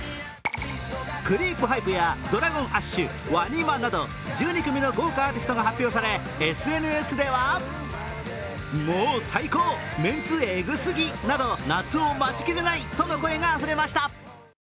クリープハイプやＤｒａｇｏｎＡｓｈ、ＷＡＮＩＭＡなど１２組の豪華アーティストが発表されＳＮＳでは夏を待ちきれないとの声があふれました。